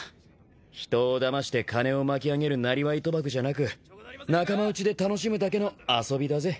人をだまして金を巻き上げるなりわい賭博じゃなく仲間内で楽しむだけの遊びだぜ。